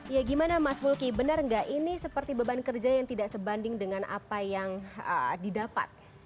ya gimana mas mulki benar nggak ini seperti beban kerja yang tidak sebanding dengan apa yang didapat